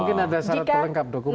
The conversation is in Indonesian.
mungkin ada syarat terlengkap dokumen